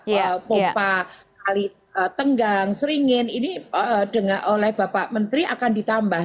pompa kali tenggang seringin ini oleh bapak menteri akan ditambah